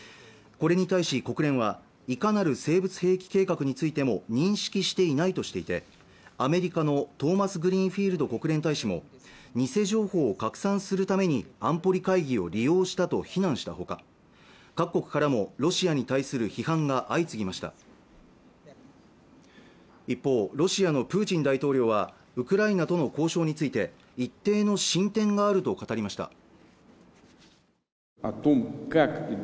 これに対し国連はいかなる生物兵器計画についても認識していないとしていてアメリカのトーマスグリーンフィールド国連大使も偽情報を拡散するために安保理会議を利用したと非難したほか各国からもロシアに対する批判が相次ぎました一方ロシアのプーチン大統領はウクライナとの交渉について一定の進展があると語りました